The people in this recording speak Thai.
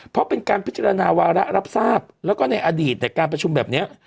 เพราะเป็นการพิจารณาวาระรับทราบแล้วก็ในอดีตในการประชุมแบบนี้